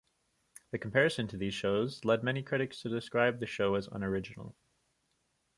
The comparison to these shows led many critics to describe the show as unoriginal.